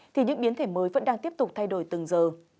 thì những biến thể mới vẫn đang tiếp tục thay đổi từng giờ